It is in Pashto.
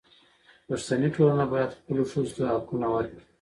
پښتني ټولنه باید خپلو ښځو ته حقونه ورکړي.